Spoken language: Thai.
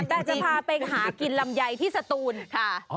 แต่จะพาไปหากินลำไยที่สตูนค่ะ